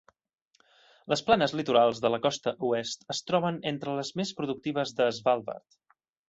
Les planes litorals de la costa oest es troben entre les més productives de Svalbard.